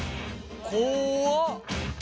怖っ！